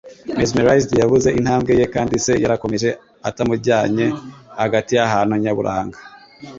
Mesmerized, yabuze intambwe ye, kandi se yarakomeje atamujyanye hagati y'ahantu nyaburanga.